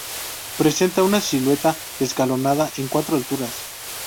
Presenta una silueta escalonada en cuatro alturas.